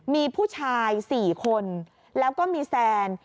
มีผู้ชาย๔คนแล้วก็มีแฟน